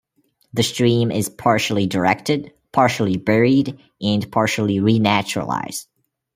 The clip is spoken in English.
The stream is partially directed, partially buried, and partially re-naturalized.